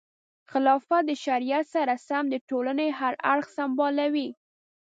خلافت د شریعت سره سم د ټولنې هر اړخ سمبالوي.